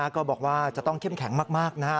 ก็บอกว่าจะต้องเข้มแข็งมากนะครับ